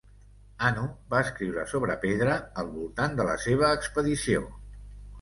Hannu va escriure sobre pedra al voltant de la seva expedició.